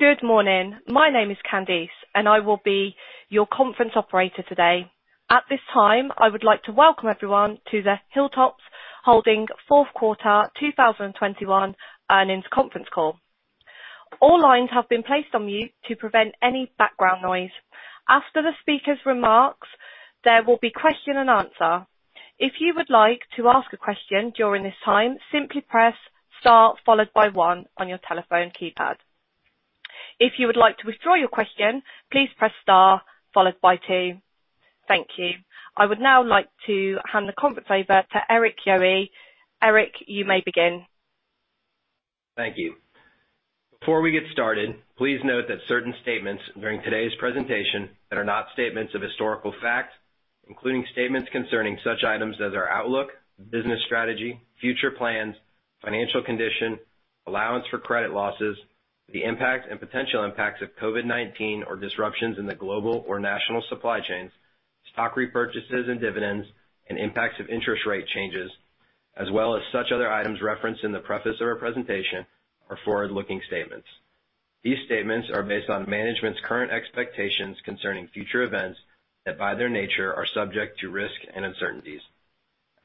Good morning. My name is Candice, and I will be your conference operator today. At this time, I would like to welcome everyone to the Hilltop Holdings fourth quarter 2021 earnings conference call. All lines have been placed on mute to prevent any background noise. After the speaker's remarks, there will be question and answer. If you would like to ask a question during this time, simply press star followed by one on your telephone keypad. If you would like to withdraw your question, please press star followed by two. Thank you. I would now like to hand the conference over to Erik Yohe. Erik, you may begin. Thank you. Before we get started, please note that certain statements during today's presentation that are not statements of historical fact, including statements concerning such items as our outlook, business strategy, future plans, financial condition, allowance for credit losses, the impact and potential impacts of COVID-19 or disruptions in the global or national supply chains, stock repurchases and dividends, and impacts of interest rate changes, as well as such other items referenced in the preface of our presentation, are forward-looking statements. These statements are based on management's current expectations concerning future events that by their nature are subject to risk and uncertainties.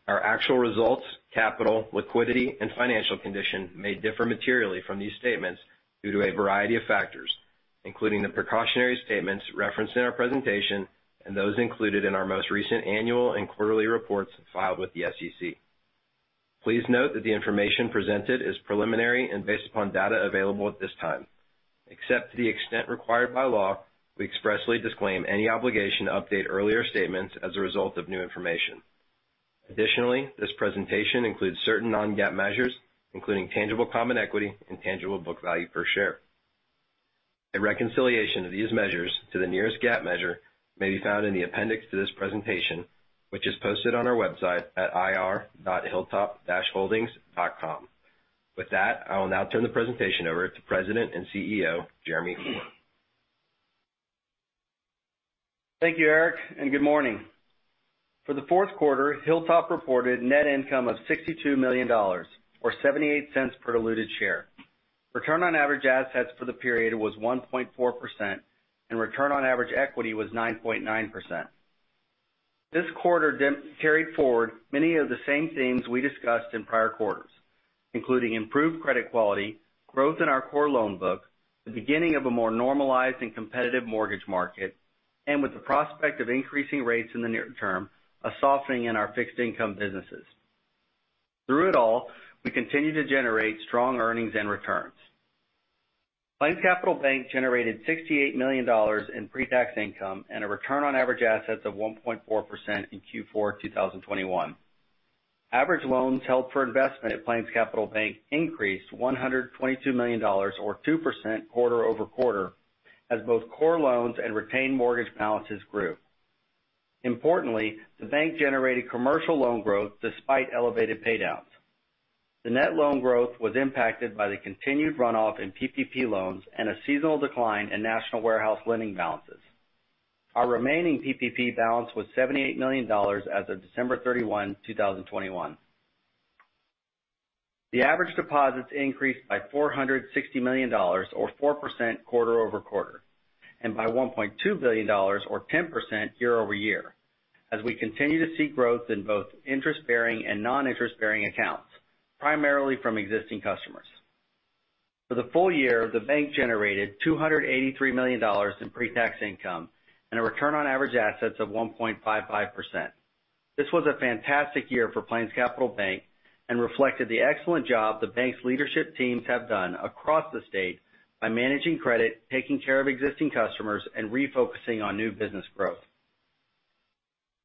Our actual results, capital, liquidity, and financial condition may differ materially from these statements due to a variety of factors, including the precautionary statements referenced in our presentation and those included in our most recent annual and quarterly reports filed with the SEC. Please note that the information presented is preliminary and based upon data available at this time. Except to the extent required by law, we expressly disclaim any obligation to update earlier statements as a result of new information. Additionally, this presentation includes certain non-GAAP measures, including tangible common equity and tangible book value per share. A reconciliation of these measures to the nearest GAAP measure may be found in the appendix to this presentation, which is posted on our website at ir.hilltop.com. With that, I will now turn the presentation over to President and CEO, Jeremy Ford. Thank you, Erik, and good morning. For the fourth quarter, Hilltop reported net income of $62 million or $0.78 per diluted share. Return on average assets for the period was 1.4% and return on average equity was 9.9%. This quarter carried forward many of the same themes we discussed in prior quarters, including improved credit quality, growth in our core loan book, the beginning of a more normalized and competitive mortgage market, and with the prospect of increasing rates in the near-term, a softening in our fixed income businesses. Through it all, we continue to generate strong earnings and returns. PlainsCapital Bank generated $68 million in pre-tax income and a return on average assets of 1.4% in Q4 2021. Average loans held for investment at PlainsCapital Bank increased $122 million or 2% quarter-over-quarter as both core loans and retained mortgage balances grew. Importantly, the bank generated commercial loan growth despite elevated paydowns. The net loan growth was impacted by the continued runoff in PPP loans and a seasonal decline in National Warehouse Lending balances. Our remaining PPP balance was $78 million as of December 31, 2021. The average deposits increased by $460 million or 4% quarter-over-quarter by $1.2 billion or 10% year-over-year as we continue to see growth in both interest-bearing and non-interest-bearing accounts, primarily from existing customers. For the full year, the bank generated $283 million in pre-tax income and a return on average assets of 1.55%. This was a fantastic year for PlainsCapital Bank and reflected the excellent job the bank's leadership teams have done across the state by managing credit, taking care of existing customers, and refocusing on new business growth.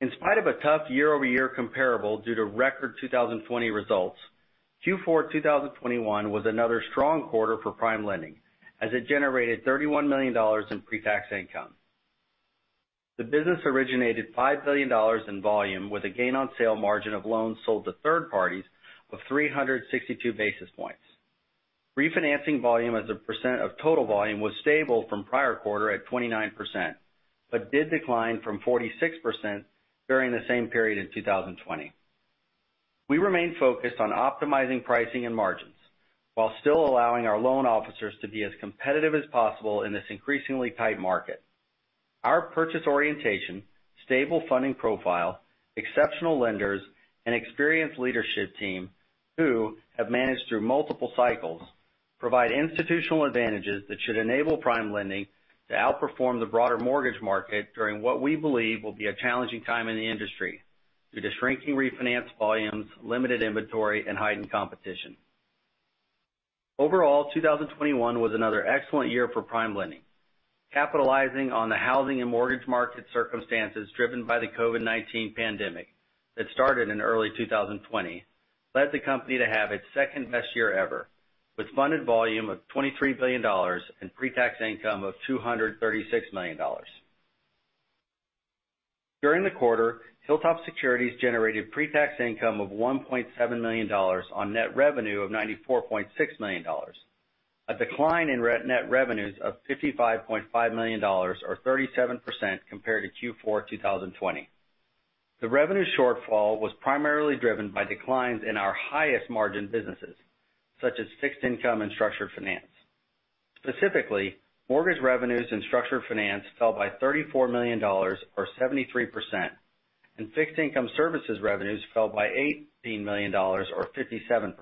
In spite of a tough year-over-year comparable due to record 2020 results, Q4 2021 was another strong quarter for PrimeLending as it generated $31 million in pre-tax income. The business originated $5 billion in volume with a gain on sale margin of loans sold to third parties of 362 basis points. Refinancing volume as a percent of total volume was stable from prior quarter at 29%, but did decline from 46% during the same period in 2020. We remain focused on optimizing pricing and margins while still allowing our loan officers to be as competitive as possible in this increasingly tight market. Our purchase orientation, stable funding profile, exceptional lenders, and experienced leadership team, who have managed through multiple cycles, provide institutional advantages that should enable PrimeLending to outperform the broader mortgage market during what we believe will be a challenging time in the industry due to shrinking refinance volumes, limited inventory, and heightened competition. Overall, 2021 was another excellent year for PrimeLending. Capitalizing on the housing and mortgage market circumstances driven by the COVID-19 pandemic that started in early 2020 led the company to have its second-best year ever with funded volume of $23 billion and pre-tax income of $236 million. During the quarter, Hilltop Securities generated pre-tax income of $1.7 million on net revenue of $94.6 million. A decline in net revenues of $55.5 million or 37% compared to Q4 2020. The revenue shortfall was primarily driven by declines in our highest margin businesses, such as fixed income and structured finance. Specifically, mortgage revenues and structured finance fell by $34 million or 73%, and fixed income services revenues fell by $18 million or 57%.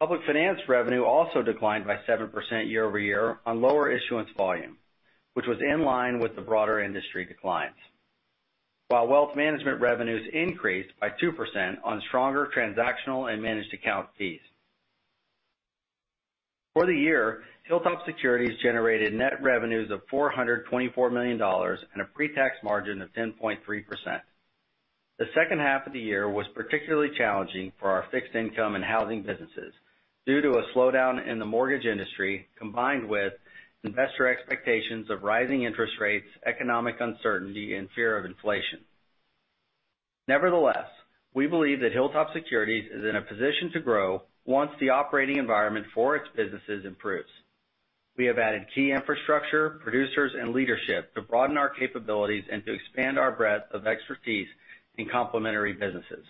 Public finance revenue also declined by 7% year-over-year on lower issuance volume, which was in line with the broader industry declines. While wealth management revenues increased by 2% on stronger transactional and managed account fees. For the year, Hilltop Securities generated net revenues of $424 million and a pre-tax margin of 10.3%. The second half of the year was particularly challenging for our fixed income and housing businesses due to a slowdown in the mortgage industry, combined with investor expectations of rising interest rates, economic uncertainty, and fear of inflation. Nevertheless, we believe that Hilltop Securities is in a position to grow once the operating environment for its businesses improves. We have added key infrastructure, producers and leadership to broaden our capabilities and to expand our breadth of expertise in complementary businesses.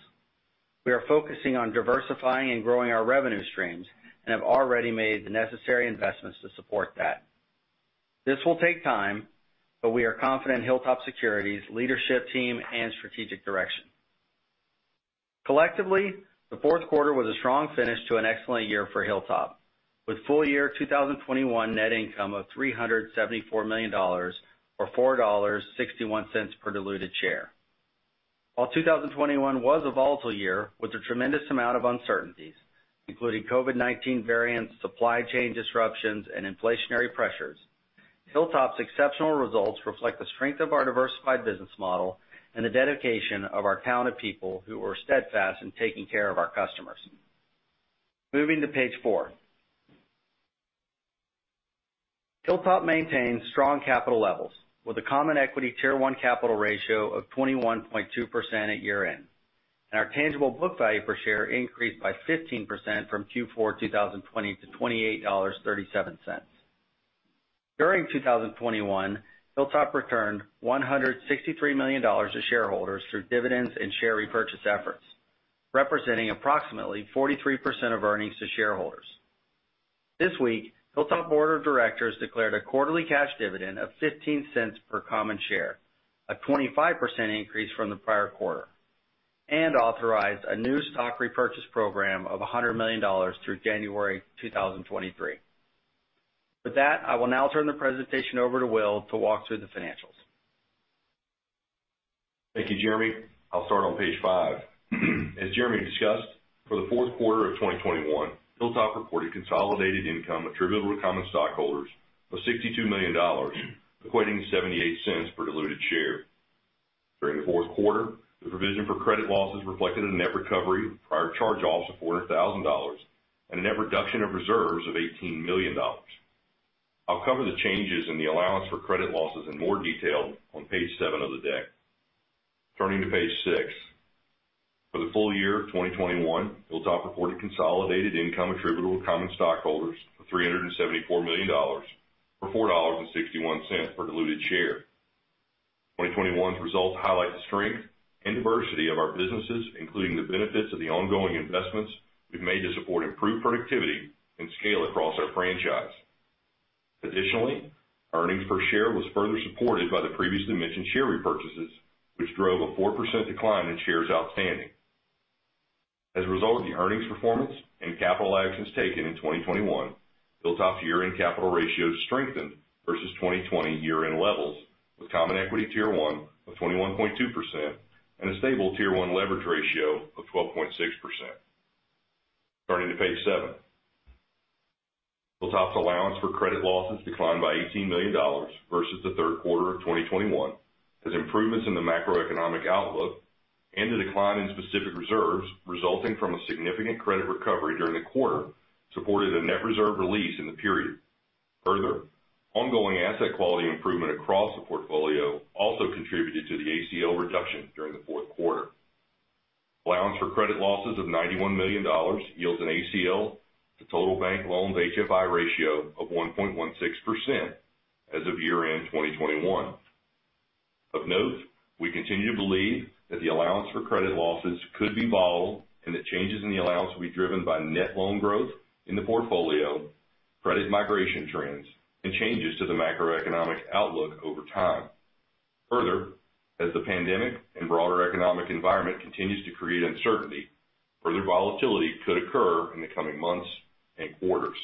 We are focusing on diversifying and growing our revenue streams and have already made the necessary investments to support that. This will take time, but we are confident in Hilltop Securities leadership, team, and strategic direction. Collectively, the fourth quarter was a strong finish to an excellent year for Hilltop, with full year 2021 net income of $374 million or $4.61 per diluted share. While 2021 was a volatile year with a tremendous amount of uncertainties, including COVID-19 variants, supply chain disruptions, and inflationary pressures, Hilltop's exceptional results reflect the strength of our diversified business model and the dedication of our talented people who were steadfast in taking care of our customers. Moving to page four. Hilltop maintains strong capital levels with a Common Equity Tier 1 capital ratio of 21.2% at year-end, and our tangible book value per share increased by 15% from Q4 2020 to $28.37. During 2021, Hilltop returned $163 million to shareholders through dividends and share repurchase efforts, representing approximately 43% of earnings to shareholders. This week, Hilltop Board of Directors declared a quarterly cash dividend of $0.15 per common share, a 25% increase from the prior quarter, and authorized a new stock repurchase program of $100 million through January 2023. With that, I will now turn the presentation over to Will to walk through the financials. Thank you, Jeremy. I'll start on page five. As Jeremy discussed, for the fourth quarter of 2021, Hilltop reported consolidated income attributable to common stockholders of $62 million, equating to $0.78 per diluted share. During the fourth quarter, the provision for credit losses reflected a net recovery of prior charge-offs of $400 thousand and a net reduction of reserves of $18 million. I'll cover the changes in the allowance for credit losses in more detail on page seven of the deck. Turning to page six. For the full year of 2021, Hilltop reported consolidated income attributable to common stockholders of $374 million, or $4.61 per diluted share. 2021's results highlight the strength and diversity of our businesses, including the benefits of the ongoing investments we've made to support improved productivity and scale across our franchise. Additionally, earnings per share was further supported by the previously mentioned share repurchases, which drove a 4% decline in shares outstanding. As a result of the earnings performance and capital actions taken in 2021, Hilltop's year-end capital ratios strengthened versus 2020 year-end levels with Common Equity Tier 1 of 21.2% and a stable Tier 1 leverage ratio of 12.6%. Turning to page seven. Hilltop's allowance for credit losses declined by $18 million versus the third quarter of 2021, as improvements in the macroeconomic outlook and the decline in specific reserves resulting from a significant credit recovery during the quarter supported a net reserve release in the period. Further, ongoing asset quality improvement across the portfolio also contributed to the ACL reduction during the fourth quarter. Allowance for credit losses of $91 million yields an ACL to total bank loans HFI ratio of 1.16% as of year-end 2021. Of note, we continue to believe that the allowance for credit losses could be volatile and that changes in the allowance will be driven by net loan growth in the portfolio, credit migration trends, and changes to the macroeconomic outlook over time. Further, as the pandemic and broader economic environment continues to create uncertainty, further volatility could occur in the coming months and quarters.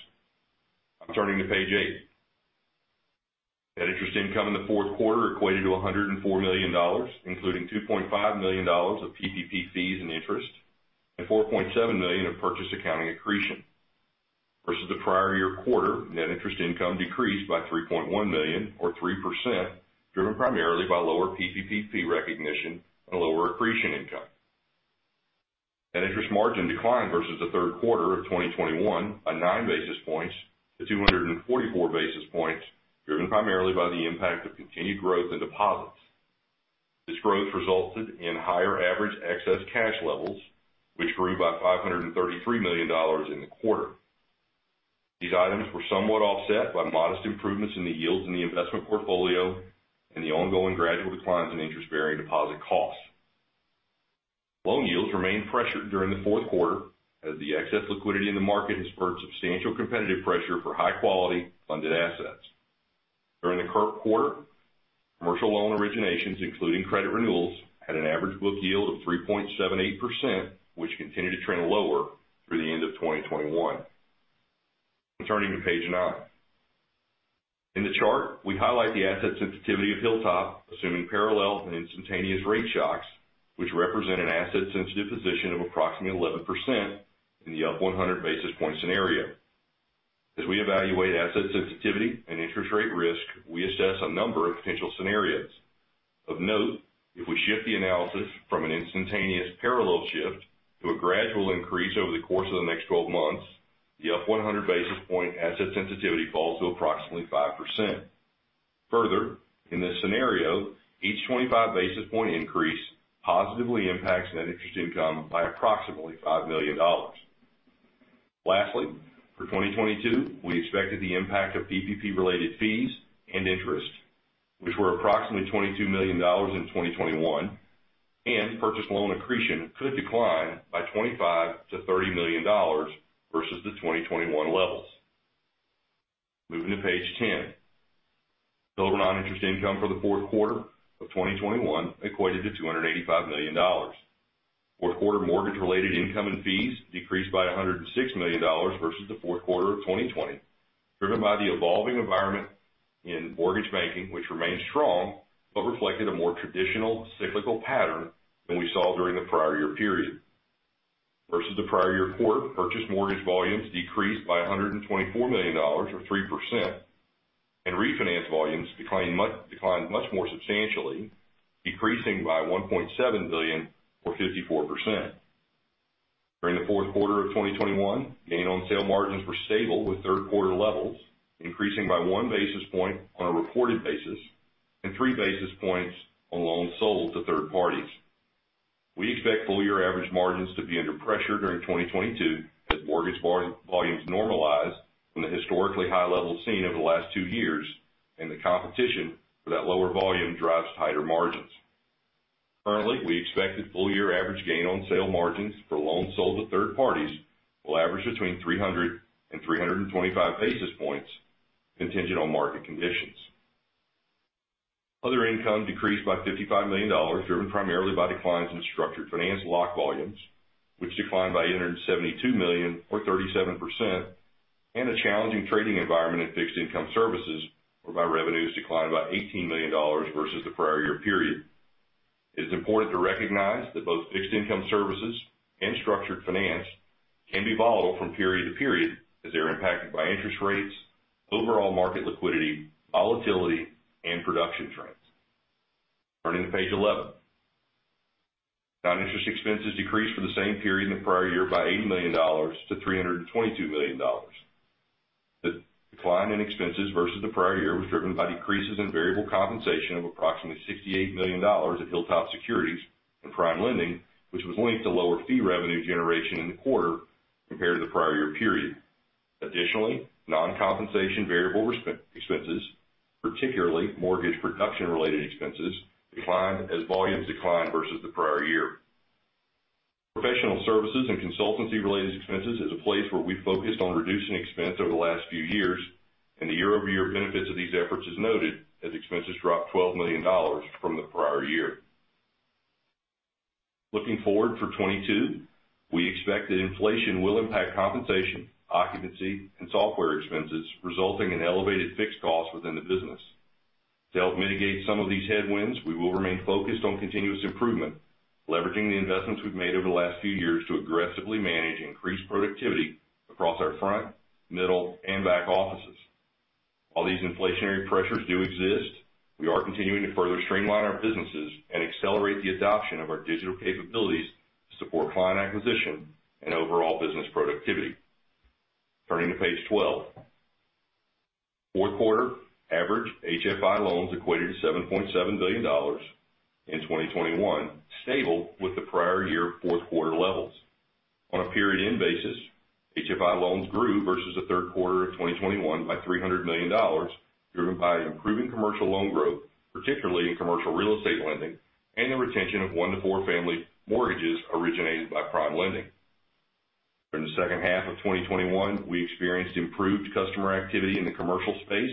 I'm turning to page eight. Net interest income in the fourth quarter equated to $104 million, including $2.5 million of PPP fees and interest and $4.7 million of purchase accounting accretion. Versus the prior year quarter, net interest income decreased by $3.1 million or 3%, driven primarily by lower PPP fee recognition and lower accretion income. Net interest margin declined versus the third quarter of 2021 by 9 basis points to 244 basis points, driven primarily by the impact of continued growth in deposits. This growth resulted in higher average excess cash levels, which grew by $533 million in the quarter. These items were somewhat offset by modest improvements in the yields in the investment portfolio and the ongoing gradual declines in interest-bearing deposit costs. Loan yields remained pressured during the fourth quarter as the excess liquidity in the market has spurred substantial competitive pressure for high-quality funded assets. During the current quarter, commercial loan originations, including credit renewals, had an average book yield of 3.78%, which continued to trend lower through the end of 2021. Turning to page nine. In the chart, we highlight the asset sensitivity of Hilltop, assuming parallel and instantaneous rate shocks, which represent an asset-sensitive position of approximately 11% in the up 100 basis point scenario. As we evaluate asset sensitivity and interest rate risk, we assess a number of potential scenarios. Of note, if we shift the analysis from an instantaneous parallel shift to a gradual increase over the course of the next twelve months, the up 100 basis point asset sensitivity falls to approximately 5%. Further, in this scenario, each 25 basis point increase positively impacts net interest income by approximately $5 million. Lastly, for 2022, we expected the impact of PPP-related fees and interest, which were approximately $22 million in 2021, and purchase loan accretion could decline by $25 million-$30 million versus the 2021 levels. Moving to page ten. Total non-interest income for the fourth quarter of 2021 equated to $285 million. Fourth quarter mortgage-related income and fees decreased by $106 million versus the fourth quarter of 2020, driven by the evolving environment in mortgage banking, which remained strong but reflected a more traditional cyclical pattern than we saw during the prior year period. Versus the prior year quarter, purchase mortgage volumes decreased by $124 million, or 3%, and refinance volumes declined much more substantially, decreasing by $1.7 billion, or 54%. During the fourth quarter of 2021, gain on sale margins were stable with third quarter levels, increasing by 1 basis point on a reported basis and 3 basis points on loans sold to third parties. We expect full year average margins to be under pressure during 2022 as mortgage volumes normalize from the historically high levels seen over the last two years and the competition for that lower volume drives tighter margins. Currently, we expect that full year average gain on sale margins for loans sold to third parties will average between 300 and 325 basis points contingent on market conditions. Other income decreased by $55 million, driven primarily by declines in structured finance lock volumes, which declined by 872 million, or 37%, and a challenging trading environment in fixed income services, whereby revenues declined by $18 million versus the prior year period. It is important to recognize that both fixed income services and structured finance can be volatile from period to period, as they are impacted by interest rates, overall market liquidity, volatility, and production trends. Turning to page 11. Non-interest expenses decreased for the same period in the prior year by $80 million to $322 million. The decline in expenses versus the prior year was driven by decreases in variable compensation of approximately $68 million at Hilltop Securities and PrimeLending, which was linked to lower fee revenue generation in the quarter compared to the prior year period. Additionally, non-compensation variable expenses, particularly mortgage production-related expenses, declined as volumes declined versus the prior year. Professional services and consultancy-related expenses is a place where we focused on reducing expense over the last few years, and the year-over-year benefits of these efforts is noted as expenses dropped $12 million from the prior year. Looking forward for 2022, we expect that inflation will impact compensation, occupancy, and software expenses, resulting in elevated fixed costs within the business. To help mitigate some of these headwinds, we will remain focused on continuous improvement, leveraging the investments we've made over the last few years to aggressively manage increased productivity across our front, middle, and back offices. While these inflationary pressures do exist, we are continuing to further streamline our businesses and accelerate the adoption of our digital capabilities to support client acquisition and overall business productivity. Turning to page 12. Fourth quarter average HFI loans equated to $7.7 billion in 2021, stable with the prior year fourth quarter levels. On a period end basis, HFI loans grew versus the third quarter of 2021 by $300 million, driven by improving commercial loan growth, particularly in commercial real estate lending and the retention of one to four family mortgages originated by PrimeLending. During the second half of 2021, we experienced improved customer activity in the commercial space,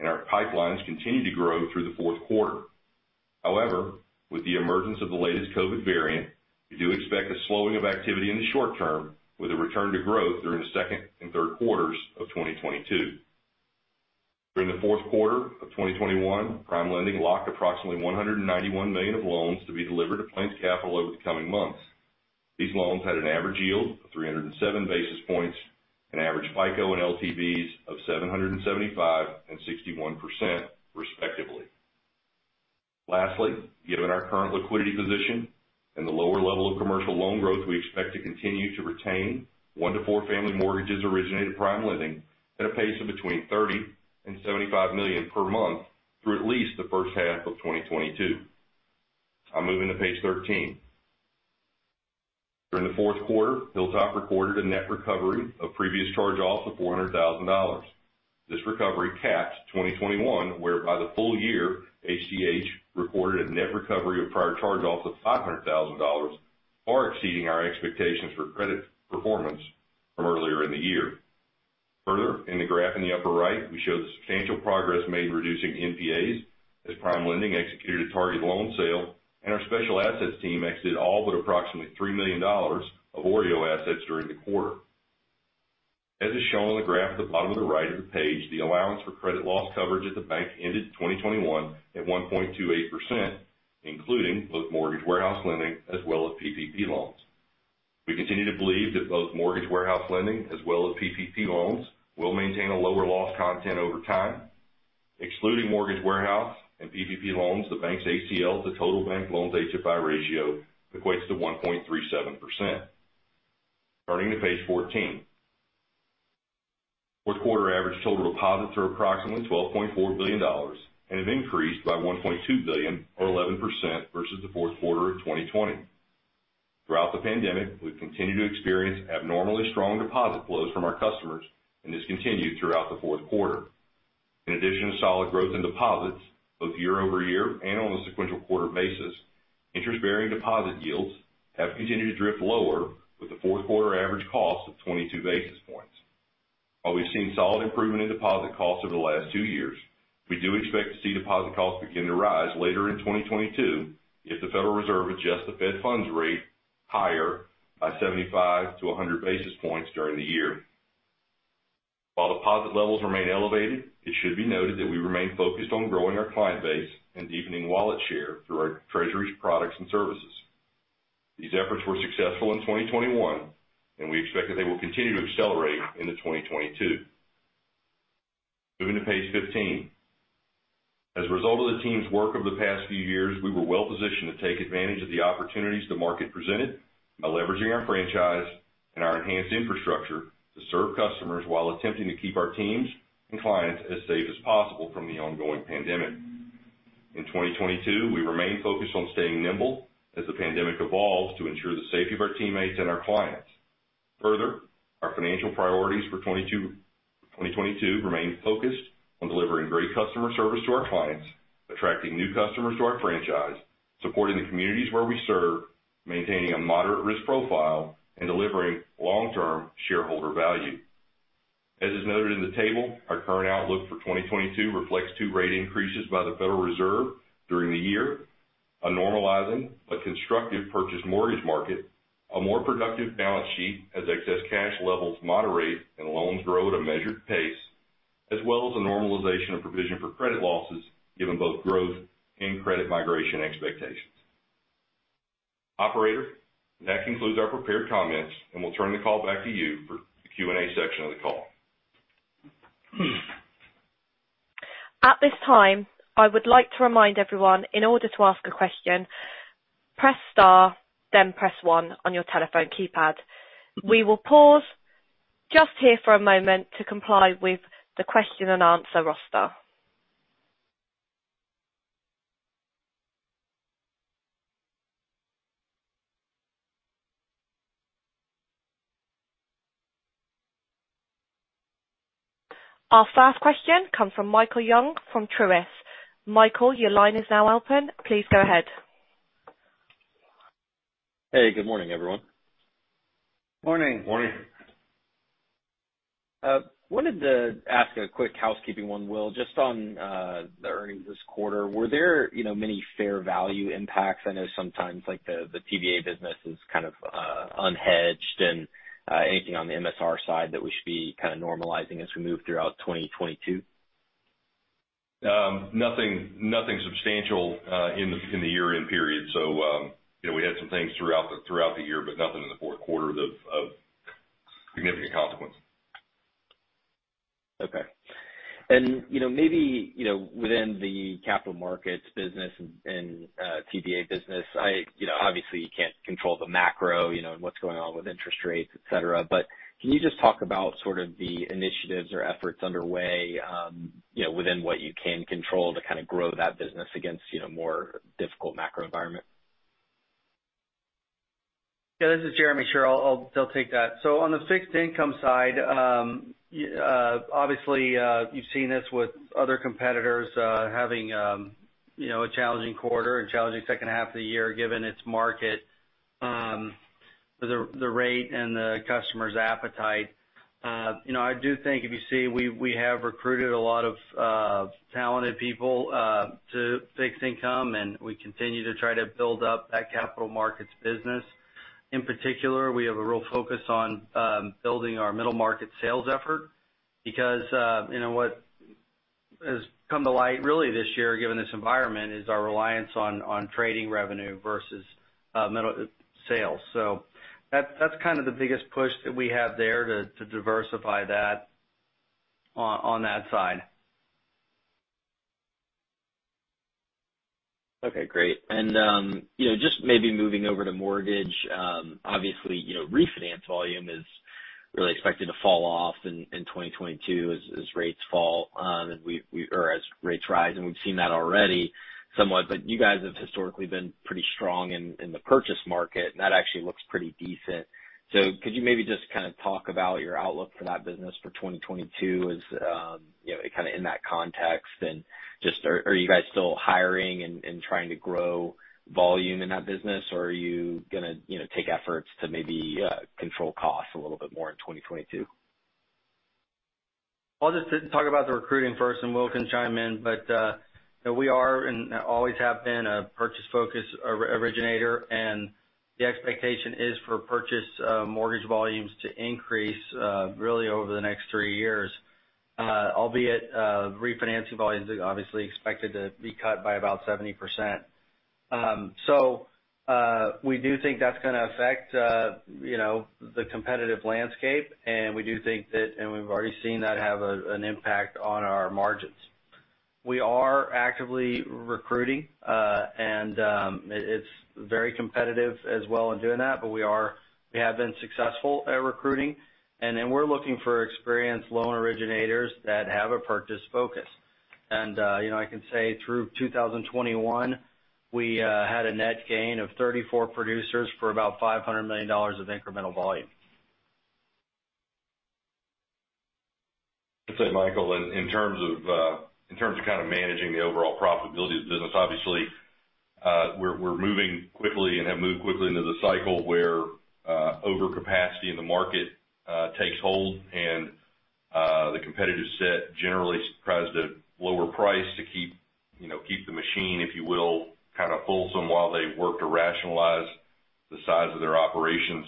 and our pipelines continued to grow through the fourth quarter. However, with the emergence of the latest COVID variant, we do expect a slowing of activity in the short term with a return to growth during the second and third quarters of 2022. During the fourth quarter of 2021, PrimeLending locked approximately $191 million of loans to be delivered to PlainsCapital over the coming months. These loans had an average yield of 307 basis points, an average FICO and LTVs of 775 and 61% respectively. Given our current liquidity position and the lower level of commercial loan growth, we expect to continue to retain one to four family mortgages originated at PrimeLending at a pace of between $30-$75 million per month through at least the first half of 2022. Now moving to page 13. During the fourth quarter, Hilltop recorded a net recovery of previous charge-offs of $400,000. This recovery caps 2021, whereby the full year, HTH reported a net recovery of prior charge-offs of $500,000, far exceeding our expectations for credit performance from earlier in the year. Further, in the graph in the upper right, we show the substantial progress made reducing NPAs as PrimeLending executed a target loan sale, and our special assets team exited all but approximately $3 million of OREO assets during the quarter. As is shown on the graph at the bottom right of the page, the allowance for credit losses coverage at the bank ended 2021 at 1.28%, including both mortgage warehouse lending as well as PPP loans. We continue to believe that both mortgage warehouse lending as well as PPP loans will maintain a lower loss content over time. Excluding mortgage warehouse and PPP loans, the bank's ACL to total bank loans HFI ratio equates to 1.37%. Turning to page 14. Fourth quarter average total deposits are approximately $12.4 billion and have increased by $1.2 billion or 11% versus the fourth quarter of 2020. Throughout the pandemic, we've continued to experience abnormally strong deposit flows from our customers, and this continued throughout the fourth quarter. In addition to solid growth in deposits, both year-over-year and on a sequential quarter basis, interest-bearing deposit yields have continued to drift lower with the fourth quarter average cost of 22 basis points. While we've seen solid improvement in deposit costs over the last 2 years, we do expect to see deposit costs begin to rise later in 2022 if the Federal Reserve adjusts the federal funds rate higher by 75-100 basis points during the year. While deposit levels remain elevated, it should be noted that we remain focused on growing our client base and deepening wallet share through our treasuries products and services. These efforts were successful in 2021, and we expect that they will continue to accelerate into 2022. Moving to page 15. As a result of the team's work over the past few years, we were well positioned to take advantage of the opportunities the market presented by leveraging our franchise and our enhanced infrastructure to serve customers while attempting to keep our teams and clients as safe as possible from the ongoing pandemic. In 2022, we remain focused on staying nimble as the pandemic evolves to ensure the safety of our teammates and our clients. Further, our financial priorities for 2022 remain focused on delivering great customer service to our clients, attracting new customers to our franchise, supporting the communities where we serve, maintaining a moderate risk profile, and delivering long-term shareholder value. As is noted in the table, our current outlook for 2022 reflects two rate increases by the Federal Reserve during the year, a normalizing but constructive purchase mortgage market, a more productive balance sheet as excess cash levels moderate and loans grow at a measured pace, as well as a normalization of provision for credit losses, given both growth and credit migration expectations. Operator, that concludes our prepared comments, and we'll turn the call back to you for the Q&A section of the call. At this time, I would like to remind everyone, in order to ask a question, press star, then press one on your telephone keypad. We will pause just here for a moment to comply with the question and answer roster. Our first question comes from Michael Young from Truist. Michael, your line is now open. Please go ahead. Hey, good morning, everyone. Morning. Morning. I wanted to ask a quick housekeeping one, Will, just on the earnings this quarter. Were there, you know, many fair value impacts? I know sometimes, like, the TBA business is kind of unhedged, and anything on the MSR side that we should be kind of normalizing as we move throughout 2022. Nothing substantial in the year-end period. You know, we had some things throughout the year, but nothing in the fourth quarter of significant consequence. Okay. You know, maybe, you know, within the capital markets business and TBA business, I, you know, obviously you can't control the macro, you know, and what's going on with interest rates, et cetera. Can you just talk about sort of the initiatives or efforts underway, you know, within what you can control to kind of grow that business against, you know, more difficult macro environment? Yeah, this is Jeremy. Sure. I'll take that. On the fixed income side, obviously, you've seen this with other competitors, having, you know, a challenging quarter and challenging second half of the year, given its market, the rate and the customer's appetite. You know, I do think if you see, we have recruited a lot of talented people to fixed income, and we continue to try to build up that capital markets business. In particular, we have a real focus on building our middle market sales effort because, you know, what has come to light really this year, given this environment, is our reliance on trading revenue versus middle sales. That's kind of the biggest push that we have there to diversify that on that side. Okay, great. You know, just maybe moving over to mortgage, obviously, you know, refinance volume is really expected to fall off in 2022 as rates rise, and we've seen that already somewhat. But you guys have historically been pretty strong in the purchase market, and that actually looks pretty decent. Could you maybe just kind of talk about your outlook for that business for 2022 as you know, kind of in that context? And just are you guys still hiring and trying to grow volume in that business, or are you gonna take efforts to maybe control costs a little bit more in 2022? I'll just talk about the recruiting first, and Will can chime in. You know, we are and always have been a purchase-focused originator, and the expectation is for purchase mortgage volumes to increase really over the next three years. Albeit, refinancing volumes are obviously expected to be cut by about 70%. We do think that's gonna affect you know, the competitive landscape, and we do think that, and we've already seen that have an impact on our margins. We are actively recruiting, and it's very competitive as well in doing that. We have been successful at recruiting. We're looking for experienced loan originators that have a purchase focus. You know, I can say through 2021, we had a net gain of 34 producers for about $500 million of incremental volume. I'd say, Michael, in terms of kind of managing the overall profitability of the business, obviously, we're moving quickly and have moved quickly into the cycle where overcapacity in the market takes hold, and the competitive set generally tries to lower price to keep, you know, keep the machine, if you will, kind of fulsome while they work to rationalize the size of their operations.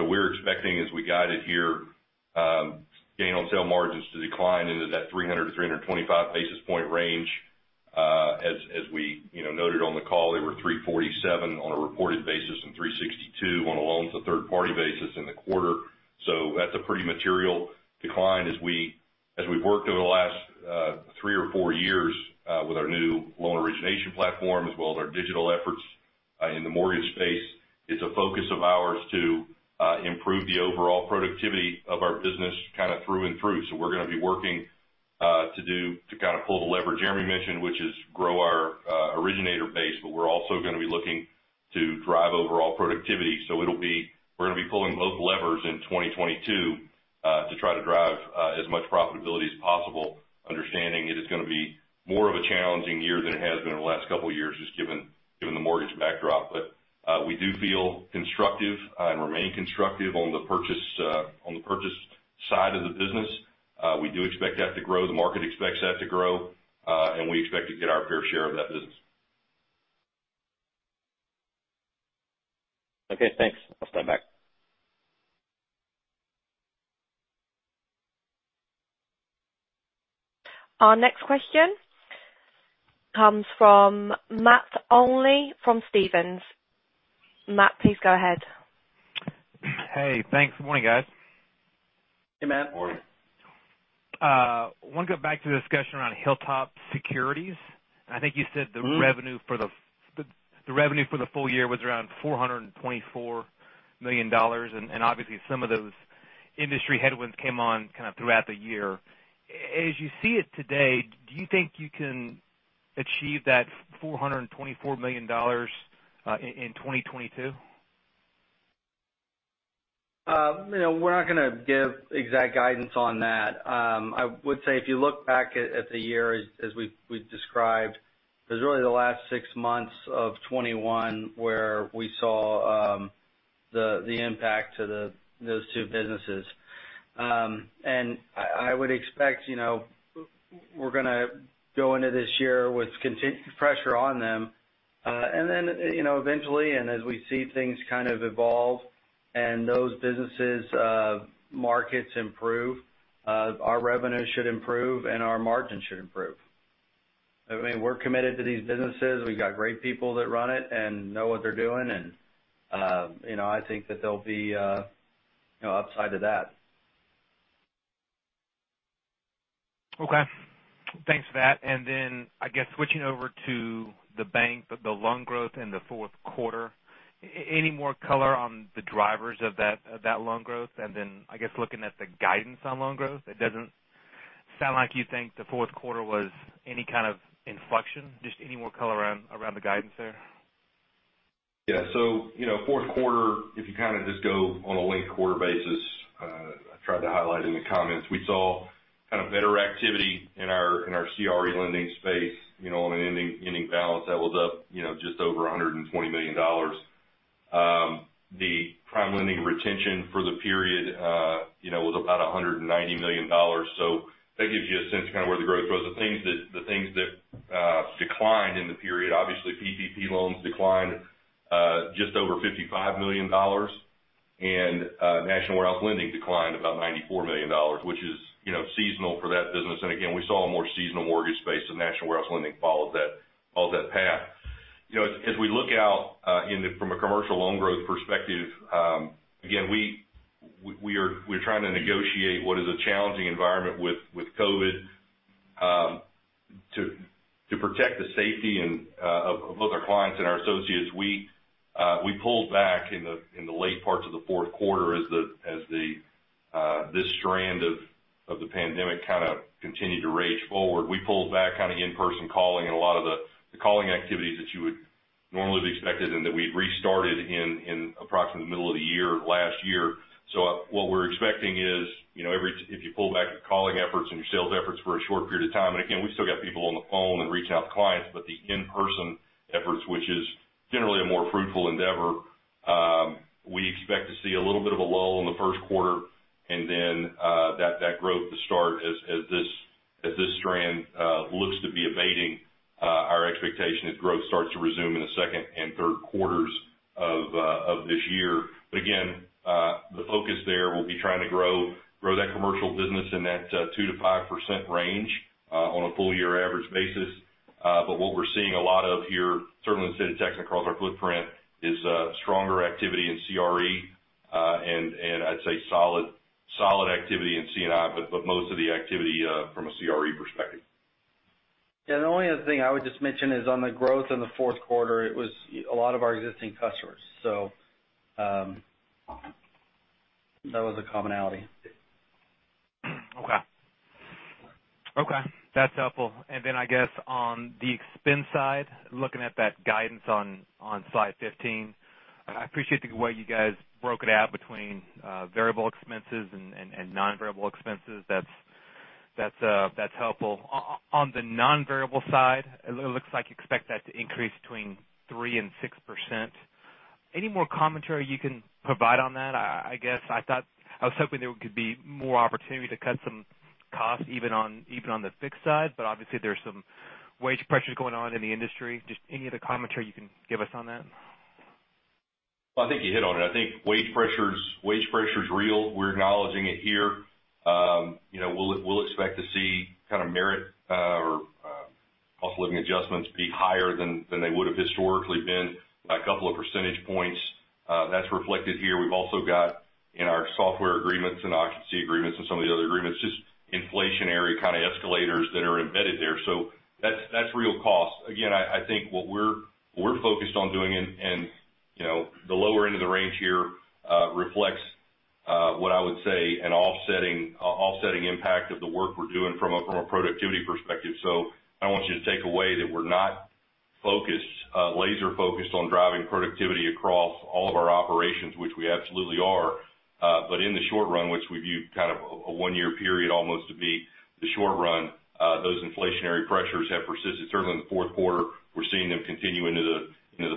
We're expecting, as we guided here, gain on sale margins to decline into that 300-325 basis point range. As we, you know, noted on the call, they were 347 on a reported basis and 362 on a loan-to-third party basis in the quarter. That's a pretty material decline as we've worked over the last three or four years with our new loan origination platform as well as our digital efforts in the mortgage space. It's a focus of ours to improve the overall productivity of our business kind of through and through. We're gonna be working to kind of pull the lever Jeremy mentioned, which is grow our originator base, but we're also gonna be looking to drive overall productivity. We're gonna be pulling both levers in 2022 to try to drive as much profitability as possible, understanding it is gonna be more of a challenging year than it has been in the last couple of years just given the mortgage backdrop. We do feel constructive and remain constructive on the purchase side of the business. We do expect that to grow, the market expects that to grow, and we expect to get our fair share of that business. Okay, thanks. I'll stand back. Our next question comes from Matt Olney from Stephens. Matt, please go ahead. Hey, thanks. Good morning, guys. Hey, Matt. Morning. I want to go back to the discussion around Hilltop Securities. I think you said the revenue for the full year was around $424 million, and obviously some of those industry headwinds came on kind of throughout the year. As you see it today, do you think you can achieve that $424 million in 2022? You know, we're not gonna give exact guidance on that. I would say if you look back at the year as we've described, it was really the last six months of 2021 where we saw the impact to those two businesses. I would expect, you know, we're gonna go into this year with continuing pressure on them. Then, you know, eventually, as we see things kind of evolve and those businesses markets improve, our revenues should improve and our margins should improve. I mean, we're committed to these businesses. We've got great people that run it and know what they're doing. You know, I think that there'll be upside to that. Okay. Thanks for that. I guess switching over to the bank, the loan growth in the fourth quarter. Any more color on the drivers of that loan growth? I guess looking at the guidance on loan growth, it doesn't sound like you think the fourth quarter was any kind of inflection. Just any more color around the guidance there. Yeah. You know, fourth quarter, if you kind of just go on a linked quarter basis, I tried to highlight in the comments, we saw kind of better activity in our CRE lending space, you know, on an ending balance that was up, you know, just over $120 million. The PrimeLending retention for the period, you know, was about $190 million. That gives you a sense of kind of where the growth was. The things that declined in the period, obviously PPP loans declined just over $55 million. National Warehouse Lending declined about $94 million, which is, you know, seasonal for that business. We saw a more seasonal mortgage space, so National Warehouse Lending followed that path. You know, as we look out from a commercial loan growth perspective, again, we're trying to negotiate what is a challenging environment with COVID. To protect the safety and soundness of both our clients and our associates, we pulled back in the late parts of the fourth quarter as this strain of the pandemic kind of continued to rage forward. We pulled back kind of in-person calling and a lot of the calling activities that you would normally have expected and that we'd restarted in approximately the middle of the year last year. What we're expecting is, you know, if you pull back your calling efforts and your sales efforts for a short period of time, and again, we've still got people on the phone and reaching out to clients, but the in-person efforts, which is generally a more fruitful endeavor, we expect to see a little bit of a lull in the first quarter. That growth to start as this strain looks to be abating, our expectation is growth starts to resume in the second and third quarters of this year. Again, the focus there will be trying to grow that commercial business in that 2%-5% range on a full year average basis. What we're seeing a lot of here, certainly in the state of Texas and across our footprint, is stronger activity in CRE, and I'd say solid activity in C&I, but most of the activity from a CRE perspective. Yeah. The only other thing I would just mention is on the growth in the fourth quarter, it was a lot of our existing customers. That was a commonality. Okay. Okay, that's helpful. I guess on the expense side, looking at that guidance on slide 15, I appreciate the way you guys broke it out between variable expenses and non-variable expenses. That's helpful. On the non-variable side, it looks like you expect that to increase between 3% and 6%. Any more commentary you can provide on that? I guess I thought I was hoping there could be more opportunity to cut some costs even on the fixed side. Obviously, there's some wage pressures going on in the industry. Just any other commentary you can give us on that? Well, I think you hit on it. I think wage pressure is real. We're acknowledging it here. You know, we'll expect to see kind of merit or cost of living adjustments be higher than they would have historically been by a couple of percentage points. That's reflected here. We've also got in our software agreements and occupancy agreements and some of the other agreements, just inflationary kind of escalators that are embedded there. So that's real cost. Again, I think what we're focused on doing and you know, the lower end of the range here reflects what I would say an offsetting impact of the work we're doing from a productivity perspective. I don't want you to take away that we're not focused, laser-focused on driving productivity across all of our operations, which we absolutely are. In the short run, which we view kind of a one-year period almost to be the short run, those inflationary pressures have persisted. Certainly in the fourth quarter, we're seeing them continue into the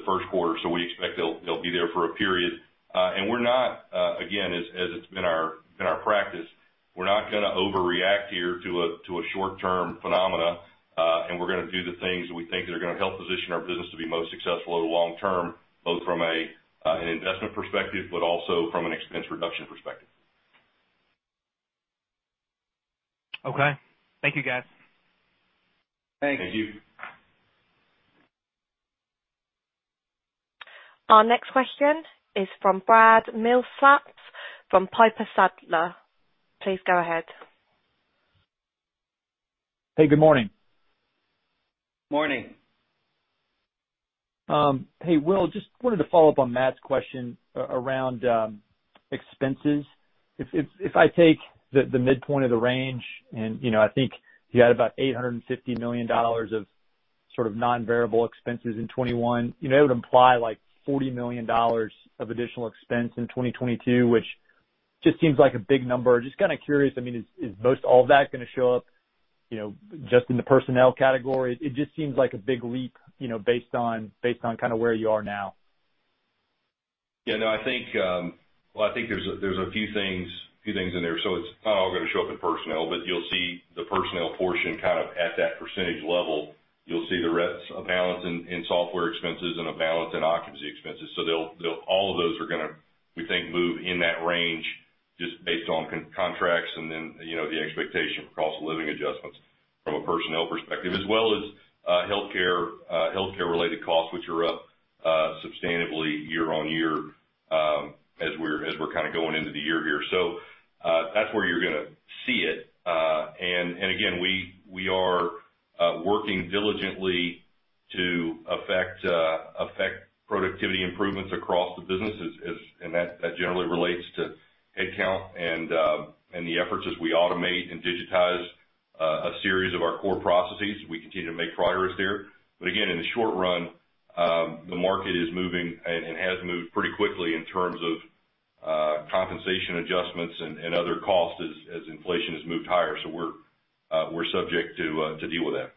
first quarter. We expect they'll be there for a period. We're not, again, as it's been our practice, we're not gonna overreact here to a short-term phenomena, and we're gonna do the things that we think are gonna help position our business to be most successful over the long term, both from an investment perspective, but also from an expense reduction perspective. Okay. Thank you guys. Thank you. Thank you. Our next question is from Brad Milsaps from Piper Sandler. Please go ahead. Hey, good morning. Morning. Hey, Will, just wanted to follow up on Matt's question around expenses. If I take the midpoint of the range and, you know, I think you had about $850 million of sort of non-variable expenses in 2021, you know, it would imply like $40 million of additional expense in 2022, which just seems like a big number. Just kind of curious, I mean, is most all of that gonna show up, you know, just in the personnel category? It just seems like a big leap, you know, based on kind of where you are now. Yeah, no, I think, well, I think there's a few things in there. It's not all gonna show up in personnel, but you'll see the personnel portion kind of at that percentage level. You'll see the rest, a balance in software expenses and a balance in occupancy expenses. They'll all of those are gonna, we think, move in that range just based on contracts and then, you know, the expectation for cost of living adjustments from a personnel perspective. As well as healthcare-related costs, which are up substantially year on year, as we're kind of going into the year here. That's where you're gonna see it. Again, we are working diligently to affect productivity improvements across the business, and that generally relates to headcount and the efforts as we automate and digitize a series of our core processes. We continue to make progress there. Again, in the short run, the market is moving and has moved pretty quickly in terms of compensation adjustments and other costs as inflation has moved higher. We're subject to deal with that.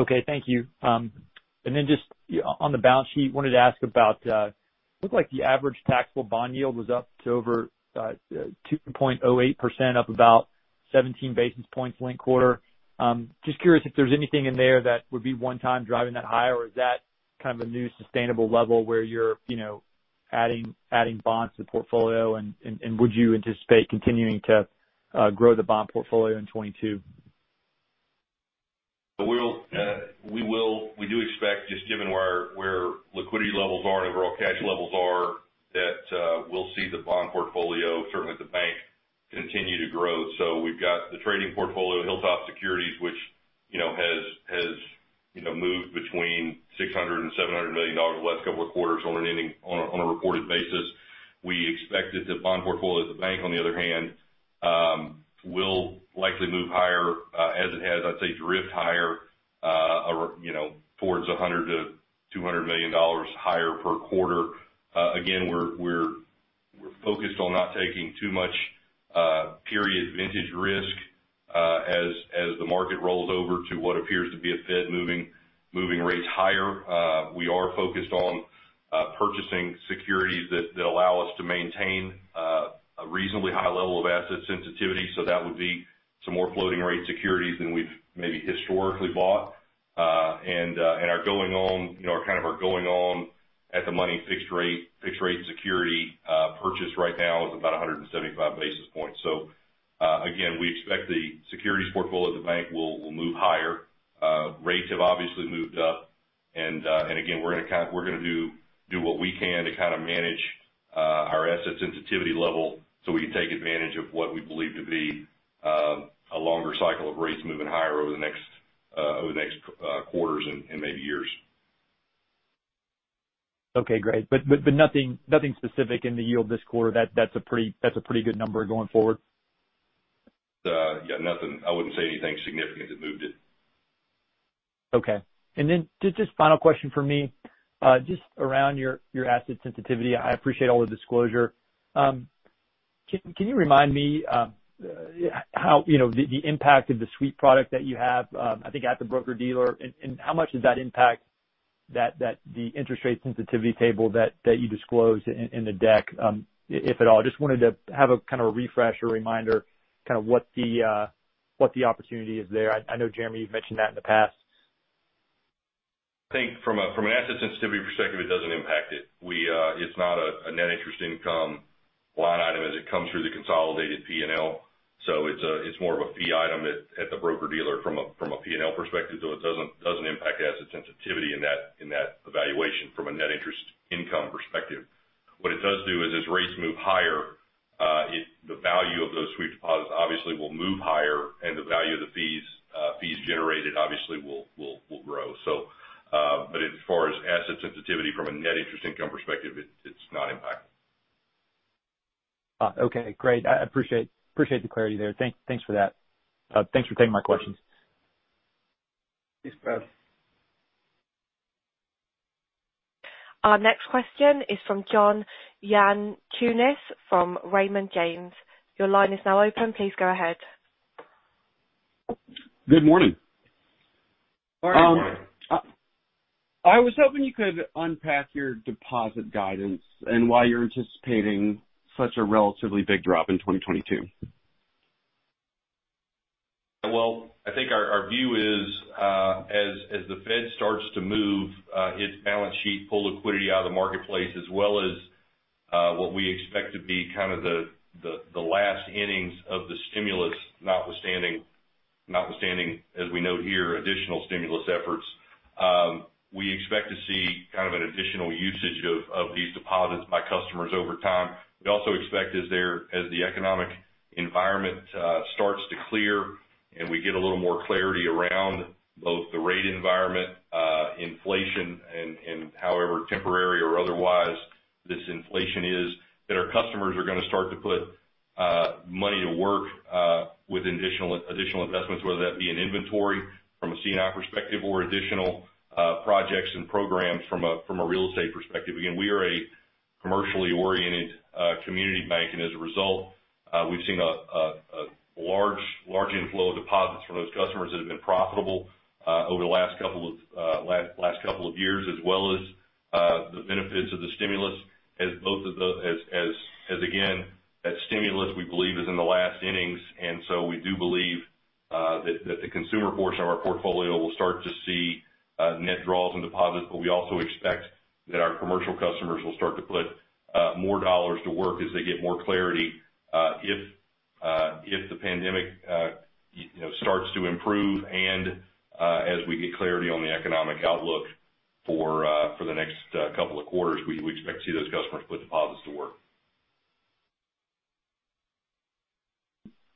Okay. Thank you. And then just on the balance sheet, wanted to ask about, looked like the average taxable bond yield was up to over 2.08%, up about 17 basis points linked quarter. Just curious if there's anything in there that would be one time driving that higher or is that kind of a new sustainable level where you're, you know, adding bonds to the portfolio and would you anticipate continuing to grow the bond portfolio in 2022? We do expect, just given where liquidity levels are and overall cash levels are, that we'll see the bond portfolio, certainly at the bank, continue to grow. So we've got the trading portfolio, Hilltop Securities, which, you know, has moved between $600 million and $700 million the last couple of quarters on a reported basis. We expect that the bond portfolio at the bank, on the other hand, will likely move higher, as it has, I'd say, drift higher, you know, towards $100 million-$200 million higher per quarter. Again, we're focused on not taking too much period vintage risk, as the market rolls over to what appears to be a Fed moving rates higher. We are focused on purchasing securities that allow us to maintain a reasonably high level of asset sensitivity. That would be some more floating rate securities than we've maybe historically bought. Our going-in, you know, kind of our going-in at-the-money fixed rate security purchase right now is about 175 basis points. Again, we expect the securities portfolio at the bank will move higher. Rates have obviously moved up. Again, we're gonna do what we can to kind of manage our asset sensitivity level, so we can take advantage of what we believe to be a longer cycle of rates moving higher over the next quarters and maybe years. Okay, great. Nothing specific in the yield this quarter? That's a pretty good number going forward? Yeah, nothing. I wouldn't say anything significant that moved it. Okay. Just final question from me, just around your asset sensitivity. I appreciate all the disclosure. Can you remind me how, you know, the impact of the sweep product that you have, I think at the broker-dealer, and how much does that impact the interest rate sensitivity table that you disclosed in the deck, if at all? Just wanted to have a kind of a refresher reminder, kind of what the opportunity is there. I know, Jeremy, you've mentioned that in the past. I think from an asset sensitivity perspective, it doesn't impact it. It's not a net interest income line item as it comes through the consolidated P&L. It's more of a fee item at the broker-dealer from a P&L perspective, so it doesn't impact asset sensitivity in that evaluation from a net interest income perspective. What it does do is as rates move higher, the value of those sweep deposits obviously will move higher and the value of the fees generated obviously will grow. As far as asset sensitivity from a net interest income perspective, it's not impacted. Okay, great. I appreciate the clarity there. Thanks for that. Thanks for taking my questions. Thanks, Brad. Our next question is from Michael Rose from Raymond James. Your line is now open. Please go ahead. Good morning. Morning. I was hoping you could unpack your deposit guidance and why you're anticipating such a relatively big drop in 2022. I think our view is, as the Fed starts to move its balance sheet, pull liquidity out of the marketplace, as well as what we expect to be kind of the last innings of the stimulus, notwithstanding, as we note here, additional stimulus efforts, we expect to see kind of an additional usage of these deposits by customers over time. We also expect as the economic environment starts to clear and we get a little more clarity around both the rate environment, inflation and however temporary or otherwise this inflation is, that our customers are gonna start to put money to work with additional investments, whether that be in inventory from a C&I perspective or additional projects and programs from a real estate perspective. Again, we are a commercially oriented community bank, and as a result, we've seen a large inflow of deposits from those customers that have been profitable over the last couple of years, as well as the benefits of the stimulus, as again, that stimulus, we believe is in the last innings. We do believe that the consumer portion of our portfolio will start to see net draws and deposits, but we also expect that our commercial customers will start to put more dollars to work as they get more clarity if the pandemic you know starts to improve and as we get clarity on the economic outlook for the next couple of quarters, we expect to see those customers put deposits to work.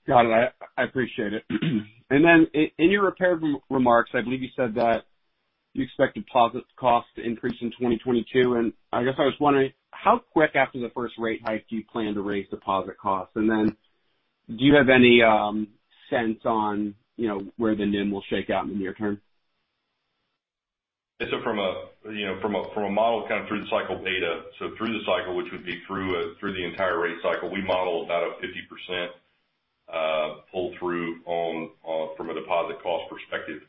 Got it. I appreciate it. In your prepared remarks, I believe you said that you expect deposit costs to increase in 2022. I guess I was wondering how quick after the first rate hike do you plan to raise deposit costs? Do you have any sense on, you know, where the NIM will shake out in the near term? From a model kind of through the cycle data, through the cycle, which would be through the entire rate cycle, we model about a 50% pull-through from a deposit cost perspective.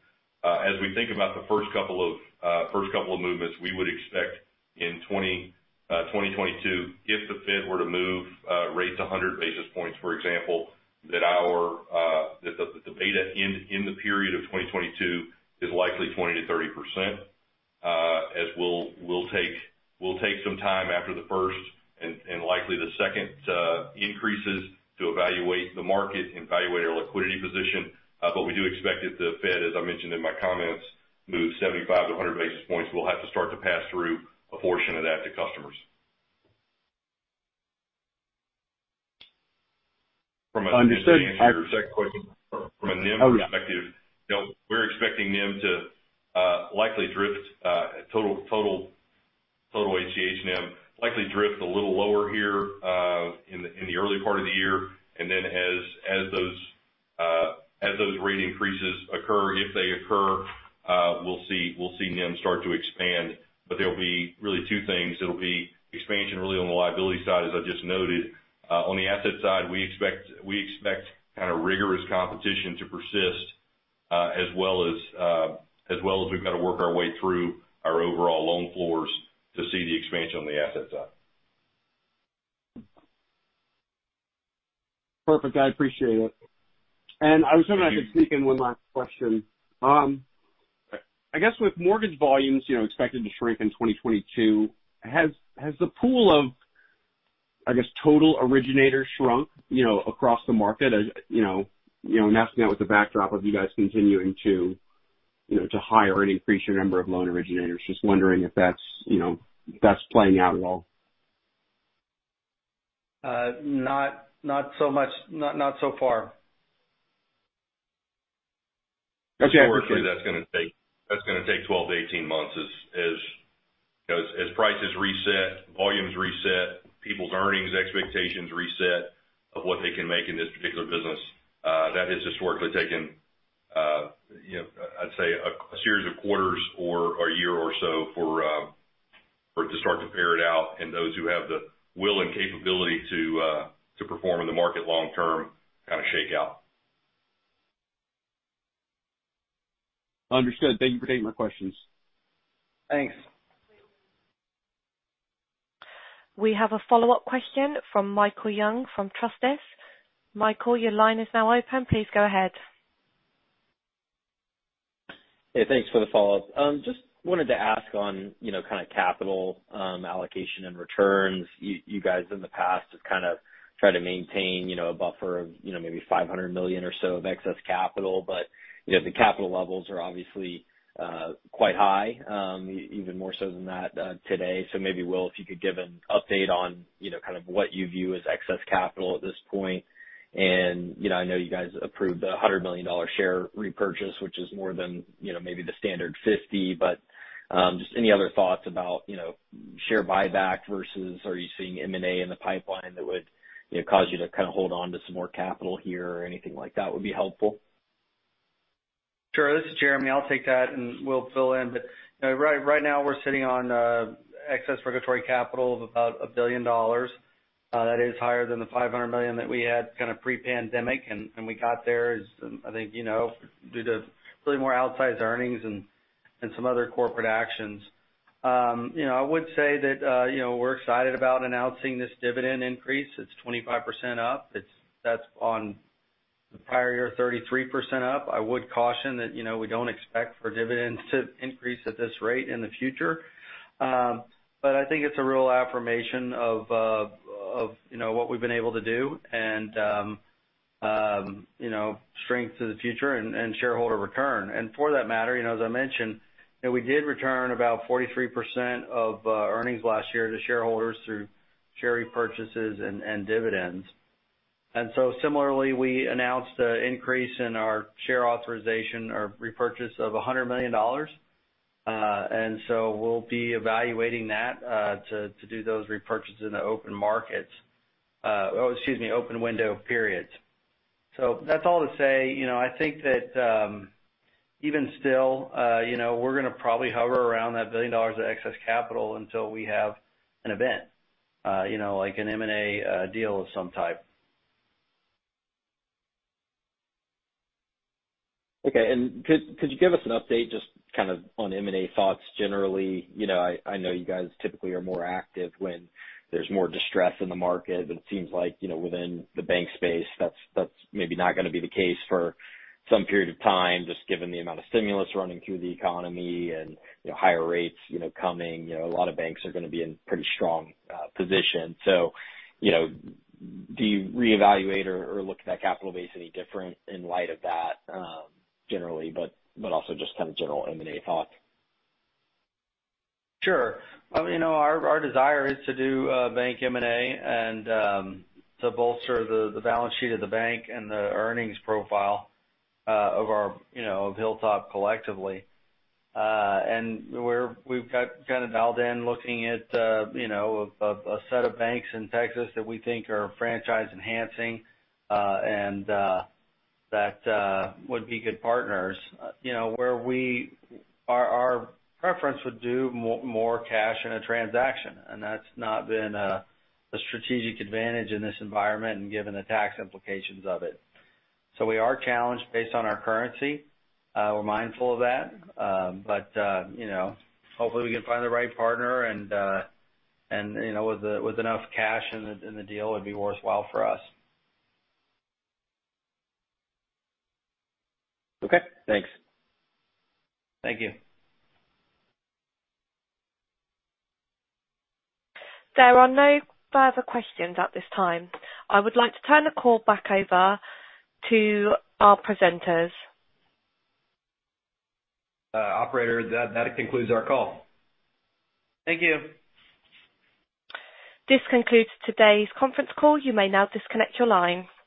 As we think about the first couple of movements, we would expect in 2022, if the Fed were to move rates 100 basis points, for example, that the beta in the period of 2022 is likely 20%-30%. As we'll take some time after the first and likely the second increases to evaluate the market and evaluate our liquidity position. We do expect if the Fed, as I mentioned in my comments, moves 75-100 basis points, we'll have to start to pass through a portion of that to customers. Understood. From a NIM perspective, you know, we're expecting NIM to likely drift total asset NIM a little lower here in the early part of the year. Then as those rate increases occur, if they occur, we'll see NIM start to expand. There'll be really two things. It'll be expansion really on the liability side, as I just noted. On the asset side, we expect kind of rigorous competition to persist as well as we've got to work our way through our overall loan floors to see the expansion on the asset side. Perfect. I appreciate it. Thank you. I was wondering if I could sneak in one last question. I guess with mortgage volumes, you know, expected to shrink in 2022, has the pool of, I guess, total originators shrunk, you know, across the market? Asking that with the backdrop of you guys continuing to, you know, to hire and increase your number of loan originators. Just wondering if that's, you know, playing out at all. Not so much. Not so far. Okay. Appreciate it. Historically, that's gonna take 12-18 months as you know, as prices reset, volumes reset, people's earnings expectations reset of what they can make in this particular business. That has historically taken, you know, I'd say a series of quarters or a year or so for it to start to pare it out and those who have the will and capability to perform in the market long term kind of shake out. Understood. Thank you for taking my questions. Thanks. We have a follow-up question from Michael Young from Truist. Michael, your line is now open. Please go ahead. Hey, thanks for the follow-up. Just wanted to ask on, you know, kind of capital allocation and returns. You guys in the past have kind of tried to maintain, you know, a buffer of, you know, maybe $500 million or so of excess capital. You know, the capital levels are obviously quite high, even more so than that, today. Maybe, Will, if you could give an update on, you know, kind of what you view as excess capital at this point. I know you guys approved a $100 million share repurchase, which is more than, you know, maybe the standard $50 million. Just any other thoughts about, you know, share buyback versus are you seeing M&A in the pipeline that would, you know, cause you to kind of hold on to some more capital here or anything like that would be helpful. Sure. This is Jeremy. I'll take that and Will fill in. You know, right now we're sitting on excess regulatory capital of about $1 billion. That is higher than the $500 million that we had kind of pre-pandemic. We got there as I think you know due to really more outsized earnings and some other corporate actions. You know, I would say that you know we're excited about announcing this dividend increase. It's 25% up. That's on the prior year, 33% up. I would caution that you know we don't expect for dividends to increase at this rate in the future. I think it's a real affirmation of you know what we've been able to do and you know strength to the future and shareholder return. For that matter, you know, as I mentioned, you know, we did return about 43% of earnings last year to shareholders through share repurchases and dividends. Similarly, we announced an increase in our share repurchase authorization of $100 million. We'll be evaluating that to do those repurchases in the open window periods. That's all to say, you know, I think that even still, you know, we're gonna probably hover around that $1 billion of excess capital until we have an event, you know, like an M&A deal of some type. Okay. Could you give us an update just kind of on M&A thoughts generally? You know, I know you guys typically are more active when there's more distress in the market, but it seems like, you know, within the bank space, that's maybe not gonna be the case for some period of time, just given the amount of stimulus running through the economy and, you know, higher rates, you know, coming. You know, a lot of banks are gonna be in pretty strong position. So, you know, do you reevaluate or look at that capital base any different in light of that, generally, but also just kind of general M&A thoughts? Sure. Well, you know, our desire is to do bank M&A and to bolster the balance sheet of the bank and the earnings profile of our, you know, of Hilltop collectively. We've got kind of dialed in looking at, you know, a set of banks in Texas that we think are franchise enhancing and that would be good partners. You know, our preference would do more cash in a transaction, and that's not been a strategic advantage in this environment and given the tax implications of it. We are challenged based on our currency. We're mindful of that. You know, hopefully we can find the right partner and, you know, with enough cash in the deal, it would be worthwhile for us. Okay, thanks. Thank you. There are no further questions at this time. I would like to turn the call back over to our presenters. Operator, that concludes our call. Thank you. This concludes today's conference call. You may now disconnect your line.